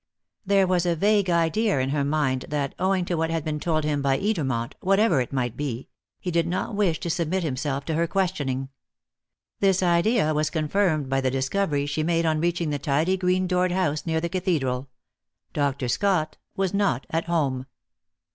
There was a vague idea in her mind that, owing to what had been told him by Edermont whatever it might be he did not wish to submit himself to her questioning. This idea was confirmed by the discovery she made on reaching the tidy green doored house near the Cathedral. Dr. Scott was not at home.